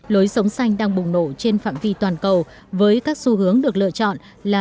lối sống xanh đang bùng nổ trên phạm vi toàn cầu với các xu hướng được lựa chọn là